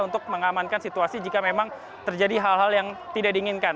untuk mengamankan situasi jika memang terjadi hal hal yang tidak diinginkan